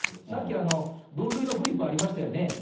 さっき、分類のフリップありましたよね。